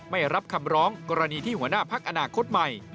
ไม่รับคำร้องกรณีที่หัวหน้าพักอนาคตใหม่